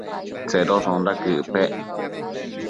Tsedoshonda quëc pec?